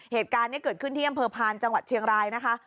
เหตุการณ์นี้เกิดขึ้นที่อำเภอพานจังหวัดเชียงรายนะคะ